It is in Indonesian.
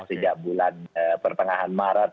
sejak bulan pertengahan maret